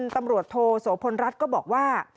ตำรวจโทโสพลรัฐก็บอกว่า